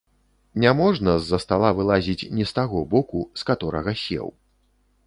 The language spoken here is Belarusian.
Не можна з-за стала вылазіць не з таго боку, з каторага сеў.